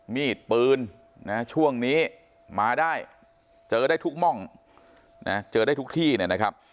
มีดปืนนะช่วงนี้มาได้เจอได้ทุกม่องนะเจอได้ทุกที่เนี่ยนะครับ